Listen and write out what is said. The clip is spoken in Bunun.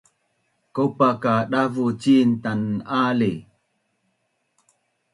kaopa kadavuc cin tanali